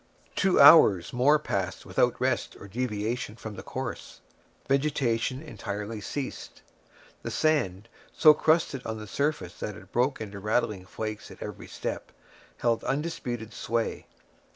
Two hours more passed without rest or deviation from the course. Vegetation entirely ceased. The sand, so crusted on the surface that it broke into rattling flakes at every step, held undisputed sway.